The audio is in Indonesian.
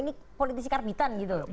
ini politisi karbitan gitu